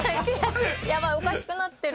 「やばいおかしくなってる」